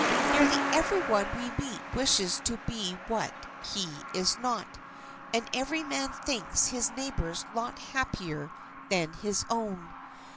Nearly every one we meet wishes to be what he is not, and every man thinks his neighbor's lot happier than his own.